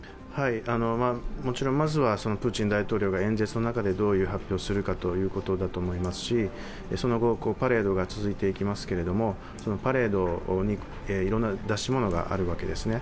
もちろんプーチンたどりの演説の中でどういうことを発表するかだとも思いますしその後、パレードが続いていきますけれども、パレードにいろいろな出し物があるわけですね。